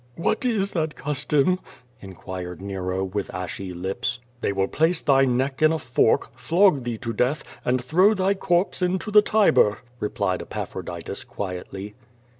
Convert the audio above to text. "What is that custom,'* inquired Nero, with ashy lips. ''They ^vill place thy neck in a fork, flog thee to death, and throw thy corpse into the Tiber/* replied Epaphroditud quietly.